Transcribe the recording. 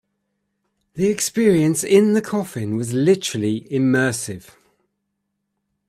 The experience in the coffin was literally immersive.